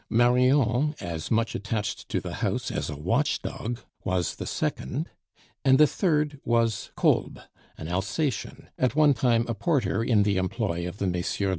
Marion, as much attached to the house as a watch dog, was the second; and the third was Kolb, an Alsacien, at one time a porter in the employ of the Messrs.